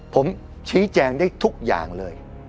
ผมชี้แจงได้ทุกอย่างเลย